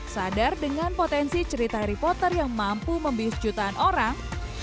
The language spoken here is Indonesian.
sadar dengan potensi cerita harry potter yang mampu membius jutaan orang